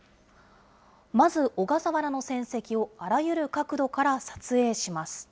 まず小笠原の戦跡をあらゆる角度から撮影します。